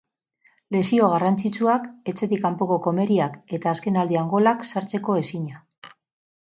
Lesio garrantzitsuak, etxetik kanpoko komeriak eta azken aldian golak sartzeko ezina.